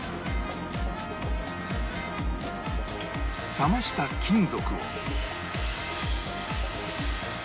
冷ました金属を